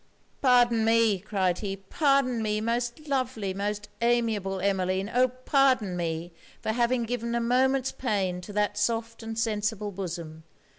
'Pardon me,' cried he, 'pardon me, most lovely, most amiable Emmeline! oh! pardon me for having given a moment's pain to that soft and sensible bosom.